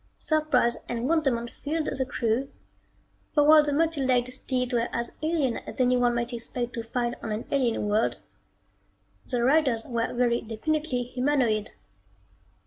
Surprise and wonderment filled the crew, for while the multi legged steeds were as alien as anyone might expect to find on an alien world, the riders were very definitely humanoid.